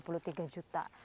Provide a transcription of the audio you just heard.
terus kok bisa dihubungi